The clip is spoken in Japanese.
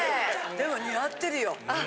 でも似合ってるよ。